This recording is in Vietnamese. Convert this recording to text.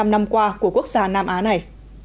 trong năm năm qua của quốc gia nam á này